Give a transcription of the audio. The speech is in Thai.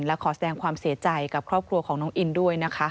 และขอแสดงความเสียใจกับครอบครัวของน้องอินด้วยนะคะ